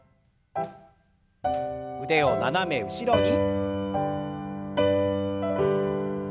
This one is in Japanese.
腕を斜め後ろに。